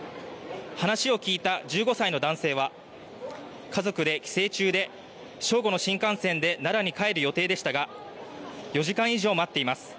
話を聞いた１５歳の男性は家族で帰省中で正午の新幹線で奈良に帰る予定でしたが４時間以上、待っています。